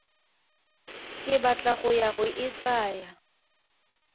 Ke batla go ya go e tsaya.